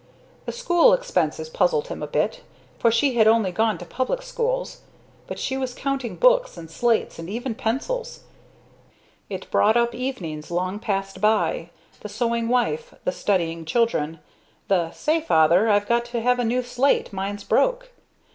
The school expenses puzzled him a bit, for she had only gone to public schools; but she was counting books and slates and even pencils it brought up evenings long passed by, the sewing wife, the studying children, the "Say, Father, I've got to have a new slate mine's broke!"